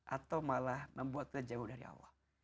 atau malah membuat kita jauh dari allah